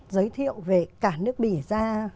giới thiệu về cả nước bỉ ra